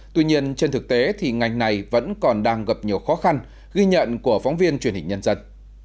tuy nhiên trên thực tế thì ngành này vẫn còn đang gặp nhiều khó khăn ghi nhận của phóng viên truyền hình nhân dân